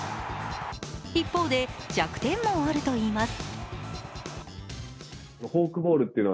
一方で弱点もあるといいます。